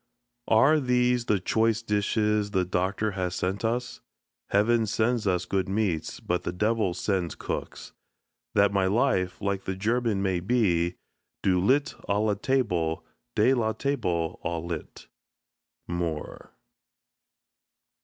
Are these the choice dishes the Doctor has sent us? Heaven sends us good meats, but the Devil sends cooks. That my life, like the German, may be "Du lit a la table, de la table au lit." MOORE.